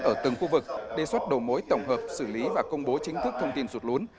ở từng khu vực đề xuất đầu mối tổng hợp xử lý và công bố chính thức thông tin sụt lún